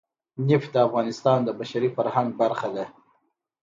نفت د افغانستان د بشري فرهنګ برخه ده.